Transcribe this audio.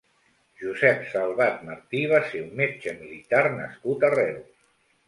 Josep Salvat Martí va ser un metge militar nascut a Reus.